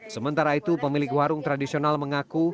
sementara itu pemilik warung tradisional mengaku